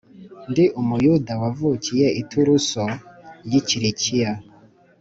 Ndi umuyuda wavukiye i taruso y i kilikiya